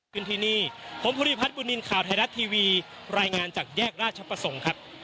ขึ้นที่นี่ผมภูริพัฒนบุญนินทร์ข่าวไทยรัฐทีวีรายงานจากแยกราชประสงค์ครับ